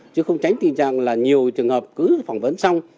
chứ không tránh tình trạng là nhiều trường hợp cứ phỏng vấn xong